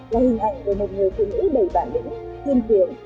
là hình ảnh về một người phụ nữ đầy bản lĩnh thiên tuyển